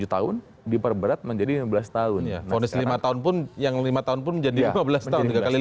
tahun diperberat menjadi lima belas tahun ya ponis lima tahun pun yang lima tahun pun jadi ablas dan